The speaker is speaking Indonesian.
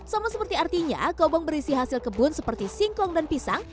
sama seperti artinya kobong berisi hasil kebun seperti singkong dan pisang